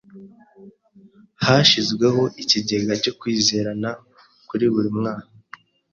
Hashyizweho ikigega cyo kwizerana kuri buri mwana.